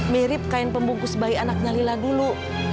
mirip kain pembungkus bayi anaknya lila dulu